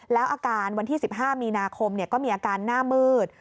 แล้วอาการวันที่๑๕มีนาคมก็มีอาการหน้ามืด